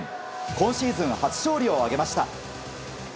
今シーズン初勝利を挙げました。